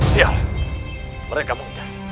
sial mereka mengejar